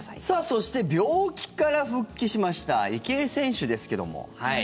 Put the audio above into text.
そして病気から復帰しました池江選手ですけども。